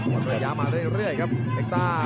ตัวเลี้ยมาเรื่อยครับเอกตา